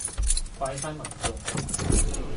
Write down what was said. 怪返民眾